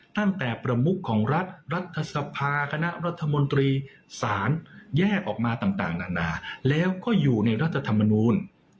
ประมุขของรัฐรัฐสภาคณะรัฐมนตรีสารแยกออกมาต่างนานาแล้วก็อยู่ในรัฐธรรมนูล